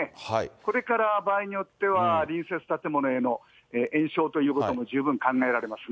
これから、場合によっては隣接建物への延焼ということも十分考えられますね。